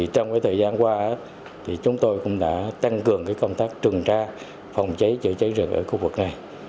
trong thời gian qua chúng tôi cũng đã tăng cường công tác trừng tra phòng cháy chữa cháy rừng ở khu vực này